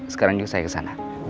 sekarang yuk saya kesana